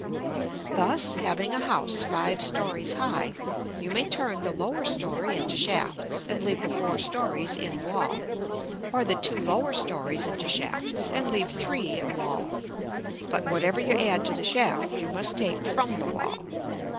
Thus, having a house five stories high, you may turn the lower story into shafts, and leave the four stories in wall; or the two lower stories into shafts, and leave three in wall; but, whatever you add to the shaft, you must take from the wall.